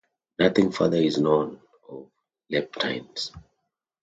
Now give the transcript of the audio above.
Nothing further is known of Leptines.